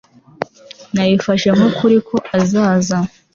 Nabifashe nkukuri ko azaza